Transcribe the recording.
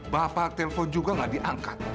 bapak telpon juga nggak diangkat